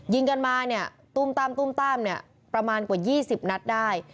ยิงกันมาเนี่ยตุ้มตั้มเนี่ยประมาณกว่า๒๐นัดได้